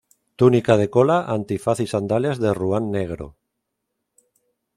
Túnica de cola, antifaz y sandalias de ruán negro.